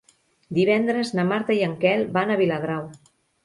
Divendres na Marta i en Quel van a Viladrau.